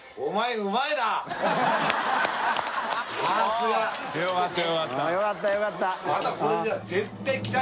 うんよかったよかった。